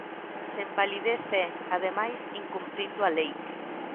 Sen validez e, ademais, incumprindo a lei.